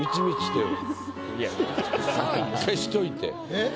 えっ？